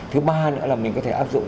thứ ba nữa là mình có thể áp dụng